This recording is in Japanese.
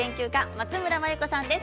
松村眞由子さんです。